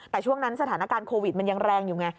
แต่ช่วงนั้นสถานการณ์โควิดมันยังแรงอยู่ไง